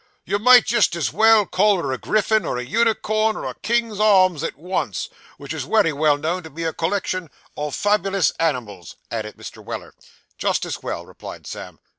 'You might jist as well call her a griffin, or a unicorn, or a king's arms at once, which is wery well known to be a collection o' fabulous animals,' added Mr. Weller. 'Just as well,' replied Sam.